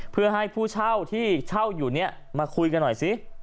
เพื่อให้ผู้เช่าที่เช่าอยู่เนี่ยมาคุยกันหน่อยสิ